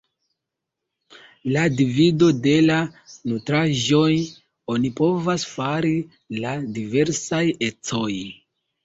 La divido de la nutraĵoj oni povas fari la diversaj ecoj.